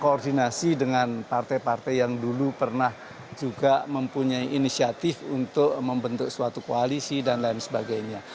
koordinasi dengan partai partai yang dulu pernah juga mempunyai inisiatif untuk membentuk suatu koalisi dan lain sebagainya